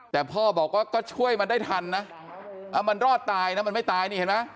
แต่พ่อบอกว่าก็ช่วยมันได้ทันนะมันรอดตายนะมันไม่ตายนี่เห็นไหม